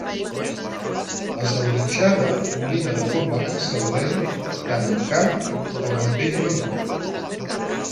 La salvitxada combina de forma excel·lent tant amb carn com amb peix i verdura.